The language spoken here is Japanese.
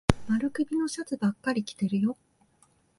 丸首のシャツばっかり着てるよ。